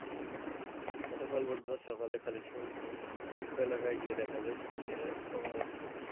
গতকাল বুধবার সকালে খালিশপুর শিল্প এলাকায় গিয়ে দেখা যায়, শ্রমিকেরা কর্মব্যস্ত।